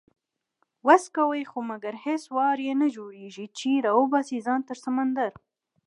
وس کوي خو مګر هیڅ وار یې نه جوړیږي، چې راوباسي ځان تر سمندره